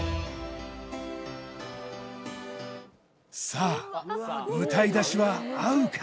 さあ歌い出しは合うか？